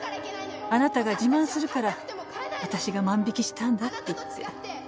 「あなたが自慢するから私が万引きしたんだ」って言って。